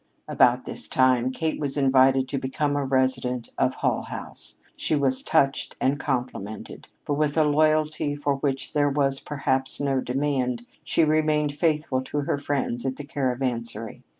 '" About this time Kate was invited to become a resident of Hull House. She was touched and complimented, but, with a loyalty for which there was, perhaps, no demand, she remained faithful to her friends at the Caravansary.